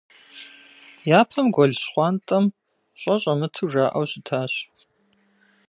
Япэм гуэл Щхъуантӏэм щӏэ щӏэмыту жаӏэу щытащ.